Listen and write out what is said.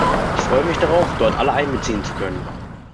Ich freue mich darauf, dort alle einbeziehen zu können.